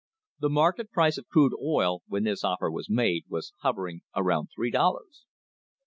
The market price of crude oil, when this offer was made, was hover ing around three dollars.